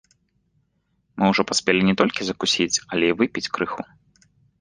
Мы ўжо паспелі не толькі закусіць, але й выпіць крыху.